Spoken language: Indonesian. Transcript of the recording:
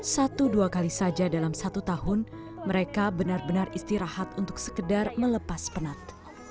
satu dua kali saja dalam satu tahun mereka benar benar istirahat untuk sekedar melepas penat